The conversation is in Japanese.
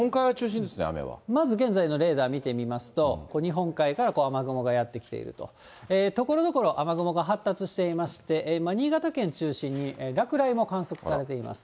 まず現在のレーダー見てみますと、日本海から雨雲がやって来ていると。ところどころ雨雲が発達していまして、新潟県中心に、落雷も観測されています。